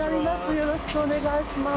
よろしくお願いします。